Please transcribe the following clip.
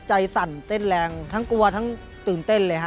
สั่นเต้นแรงทั้งกลัวทั้งตื่นเต้นเลยฮะ